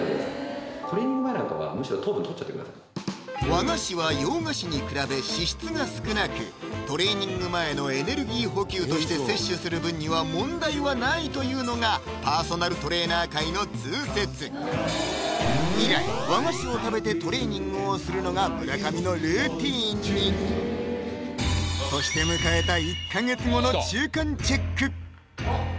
和菓子は洋菓子に比べ脂質が少なくトレーニング前のエネルギー補給として摂取する分には問題はないというのがパーソナルトレーナー界の通説以来和菓子を食べてトレーニングをするのが村上のルーティンにそして迎えた